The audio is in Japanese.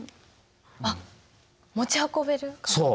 あっ持ち運べる？